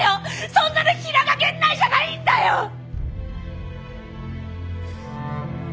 そんなの平賀源内じゃないんだよっ！